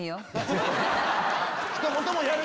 ひと言も「やる」